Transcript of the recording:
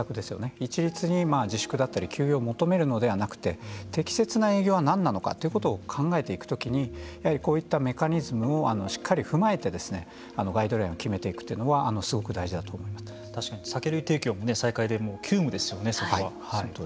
一律に自粛だったり休養を求めるのではなくて適切な営業は何なのかということを考えていくときにやはりこういったメカニズムをしっかり踏まえてガイドラインを決めていくというのは酒類提供も再開で急務ですよね、そこは。